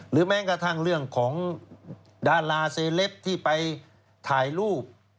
แม้กระทั่งเรื่องของดาราเซเลปที่ไปถ่ายรูป